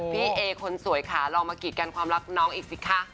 พี่เอคนสวยค่ะลองมากีดกันความรักน้องอีกสิคะ